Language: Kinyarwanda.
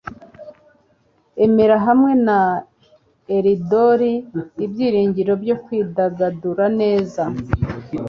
Emera hamwe na ardor ibyiringiro byo kwidagadura neza